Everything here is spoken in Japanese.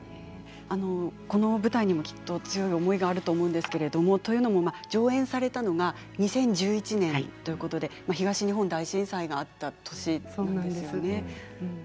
この舞台にもきっと強い思いがあると思うんですけれど上演されたのが２０１１年ということで東日本大震災があった年でしたね。